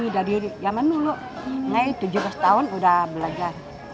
dari zaman dulu tujuh belas tahun sudah belajar